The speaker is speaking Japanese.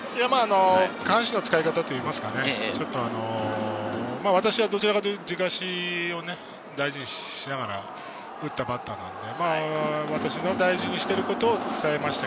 下半身の使い方、私はどちらかというと、軸足を大事にしながら、打ったバッターなので私の大事にしていることを伝えました。